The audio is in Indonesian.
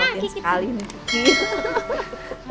gak penting sekali nih kiki